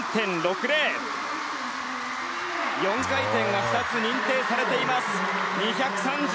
４回転が２つ認定されています。